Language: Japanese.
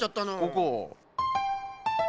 ここ。